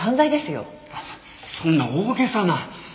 そんな大げさな！